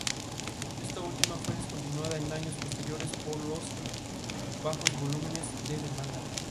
Esta última fue descontinuada en años posteriores por los bajos volúmenes de demanda.